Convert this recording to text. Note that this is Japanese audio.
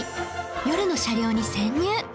夜の車両に潜入